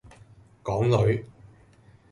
港女